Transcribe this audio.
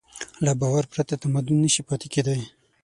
له باور پرته تمدن نهشي پاتې کېدی.